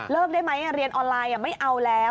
ได้ไหมเรียนออนไลน์ไม่เอาแล้ว